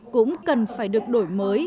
cũng cần phải được đổi mới